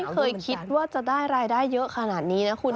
เคยคิดว่าจะได้รายได้เยอะขนาดนี้นะคุณ